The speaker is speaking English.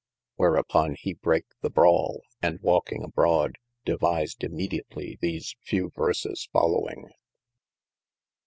Whereupon he brake the brauie, and walking abrode, devised immediatly these fewe verses following.